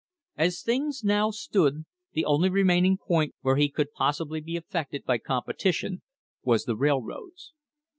As things now stood the only remaining point where he could possibly be affected by competition was the railroads.